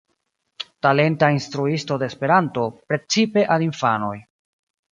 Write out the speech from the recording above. Talenta instruisto de Esperanto, precipe al infanoj.